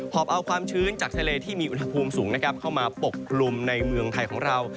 อบเอาความชื้นจากทะเลที่มีอุณหภูมิสูงเข้ามาปกกลุ่มในเมืองไทยของเรา